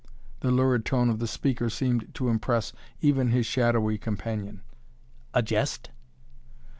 The lurid tone of the speaker seemed to impress even his shadowy companion. "A jest?"